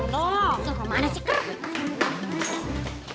lu kemana sih